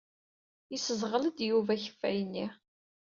Yesseẓɣel-d Yuba akeffay-nni.